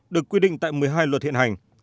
được quy định tại một mươi hai luật hiện hành